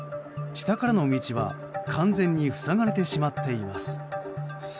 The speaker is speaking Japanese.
下からの道は完全に塞がれてしまっています。